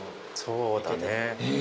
そうだね。